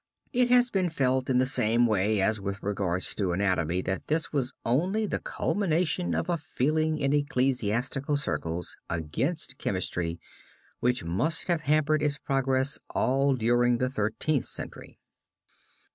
It has been felt in the same way as with regard to anatomy, that this was only the culmination of a feeling in ecclesiastical circles against chemistry which must have hampered its progress all during the Thirteenth Century.